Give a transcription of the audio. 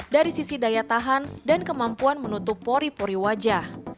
dari sisi daya tahan dan kemampuan menutup pori pori wajah